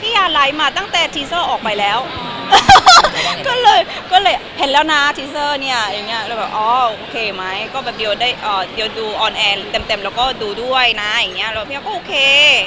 พี่อาร์ไลค์มาตั้งแต่ทีเซอร์ออกไปแล้วก็เลยเห็นแล้วนะทีเซอร์เนี่ยโอเคไหมก็เดี๋ยวดูออนแอร์เต็มแล้วก็ดูด้วยนะพี่อาร์ก็โอเค